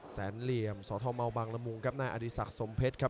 เหลี่ยมสธมบังละมุงครับนายอดีศักดิ์สมเพชรครับ